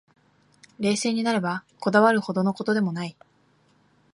冷静になれば、こだわるほどの事でもない